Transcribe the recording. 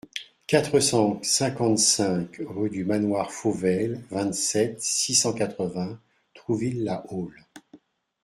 quatre cent cinquante-cinq rue du Manoir Fauvel, vingt-sept, six cent quatre-vingts, Trouville-la-Haule